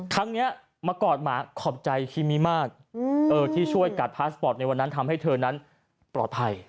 ครั้งนี้มากอดหมาขอบใจคิมิมากที่ช่วยกัดพาสปอร์ตในวันนั้นทำให้เธอนั้นปลอดภัย